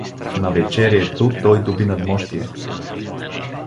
В навечерието той доби надмощие.